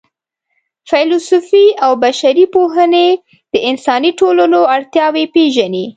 فېلسوفي او بشري پوهنې د انساني ټولنو اړتیاوې پېژني.